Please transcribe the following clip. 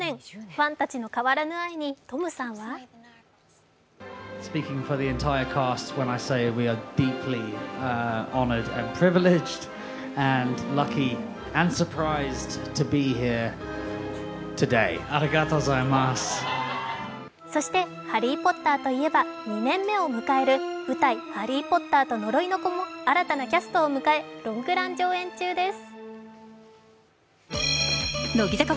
ファンたちの変わらぬ愛にトムさんはそして、「ハリー・ポッター」といえば、２年目を迎える舞台「ハリー・ポッターと呪いの子」も新たなキャストを迎えロングラン公演中です。